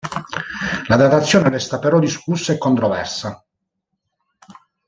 La datazione resta però discussa e controversa.